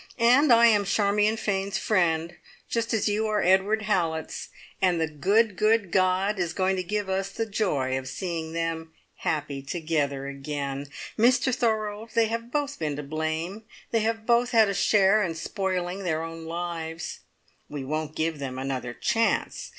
And I am Charmion Fane's friend, just as you are Edward Hallett's, and the good, good God is going to give us the joy of seeing them happy together again. Mr Thorold! they have both been to blame, they have both had a share in spoiling their own lives we won't give them another chance!